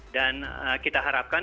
dan kita harapkan